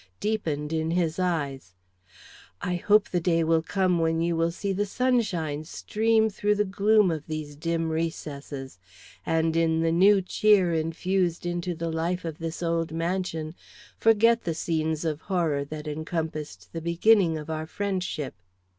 deepened in his eyes "I hope the day will come when you will see the sunshine stream through the gloom of these dim recesses, and in the new cheer infused into the life of this old mansion forget the scenes of horror that encompassed the beginning of our friendship."